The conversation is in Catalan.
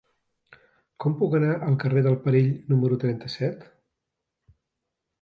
Com puc anar al carrer del Perill número trenta-set?